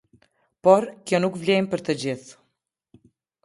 Por, kjo nuk vlen për të gjithë.